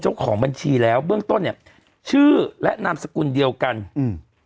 เจ้าของบัญชีแล้วเบื้องต้นเนี้ยชื่อและนามสกุลเดียวกันอืม